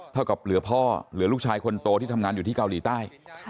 เท่ากับเหลือพ่อเหลือลูกชายคนโตที่ทำงานอยู่ที่เกาหลีใต้